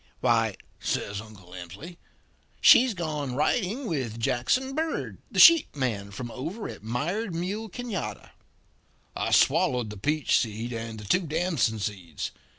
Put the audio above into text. "'Why,' says Uncle Emsley, 'she's gone riding with Jackson Bird, the sheep man from over at Mired Mule Canada.' "I swallowed the peach seed and the two damson seeds.